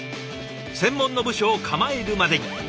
専門の部署を構えるまでに。